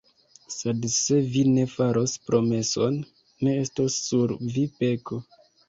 Sed se vi ne faros promeson, ne estos sur vi peko.